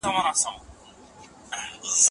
د جرمونو مرکزونه باید له منځه ولاړ سي.